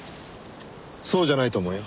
そうじゃないと思うよ。